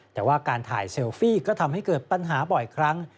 แต่ว่าการถ่ายเซลฟี่ก็ทำให้เกิดปัญหาบ่อยครั้ง